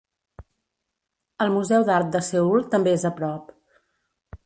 El Museu d'Art de Seül també és a prop.